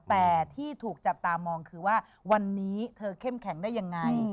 แต่ที่ถูกจับตามองคือว่าวันนี้เธอเข้มแข็งได้ยังไง